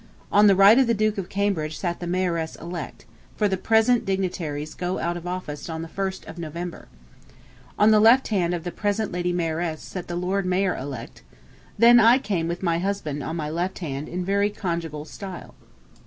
On the right of the Duke of Cambridge sat the Mayoress elect (for the present dignitaries go out of office on the 1st of November). On the left hand of the present Lady Mayoress sat the Lord Mayor elect, then I came with my husband on my left hand in very conjugal style.